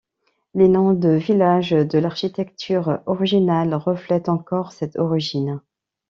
Les noms de village et l'architecture originale reflètent encore cette origine.